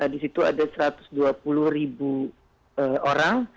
di situ ada satu ratus dua puluh ribu orang